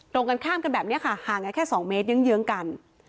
ตรงกันข้ามกันแบบนี้หางกันแค่๒เมตรยึงกัน